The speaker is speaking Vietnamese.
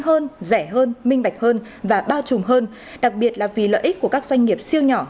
hơn rẻ hơn minh bạch hơn và bao trùm hơn đặc biệt là vì lợi ích của các doanh nghiệp siêu nhỏ